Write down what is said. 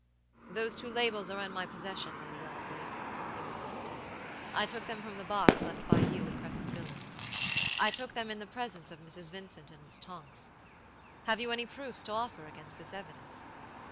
"Those two labels are in my possession, Lady Audley," he resumed. "I took them from the box left by you at Crescent Villas. I took them in the presence of Mrs. Vincent and Miss Tonks. Have you any proofs to offer against this evidence?